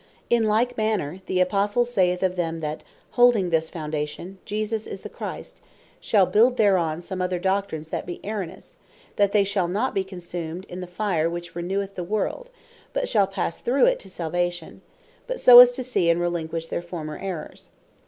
In like manner, the Apostle saith of them, that holding this Foundation Jesus Is The Christ, shall build thereon some other Doctrines that be erroneous, that they shall not be consumed in that fire which reneweth the world, but shall passe through it to Salvation; but so, as to see, and relinquish their former Errours.